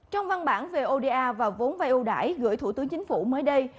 trong văn bản về oda và vốn vay ưu đải gửi thủ tướng chính phủ mới đây